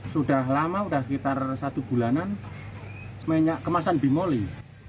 sudah lama sudah sekitar satu bulanan minyak kemasan di moli